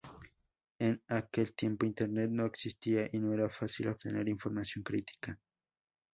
En aquel tiempo Internet no existía y no era fácil obtener información crítica.